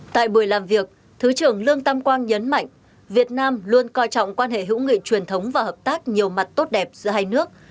tại buổi làm việc thứ trưởng lương tam quang nhấn mạnh việt nam luôn coi trọng quan hệ hữu nghị truyền thống và hợp tác nhiều mặt tốt đẹp giữa hai nước